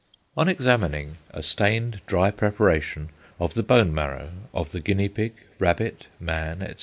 On examining a stained dry preparation of the bone marrow of the guinea pig, rabbit, man, etc.